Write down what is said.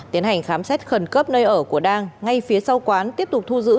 tiến hành khám xét khẩn cấp nơi ở của đăng ngay phía sau quán tiếp tục thu giữ